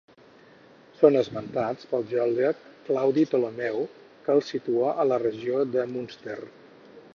Són esmentats pel geògraf Claudi Ptolemeu que els situa a la regió de Munster.